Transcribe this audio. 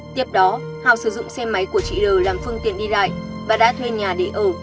tiếp đó hào sử dụng xe máy của chị r làm phương tiện đi lại và đã thuê nhà để ở